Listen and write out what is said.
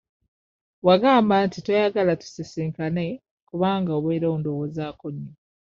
Wagamba nti toyagala tusisinkane kubanga obeera ondowoozaako nnyo.